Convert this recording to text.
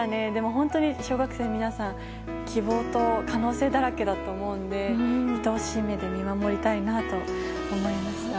本当に小学生の皆さん希望と可能性だらけだと思うので愛おしい目で見守りたいなと思いました。